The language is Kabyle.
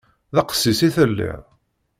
D aqessis i telliḍ?